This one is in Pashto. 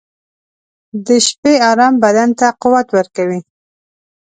• د شپې ارام بدن ته قوت ورکوي.